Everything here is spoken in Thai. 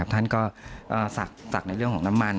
ท่านก็ศักดิ์ในเรื่องของน้ำมัน